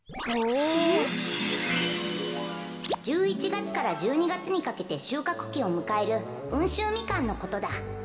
１１月から１２月にかけてしゅうかくきをむかえる温州みかんのことだ。